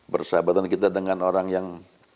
persahabatan kita dengan orang yang